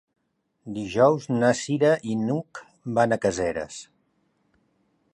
Dijous na Cira i n'Hug van a Caseres.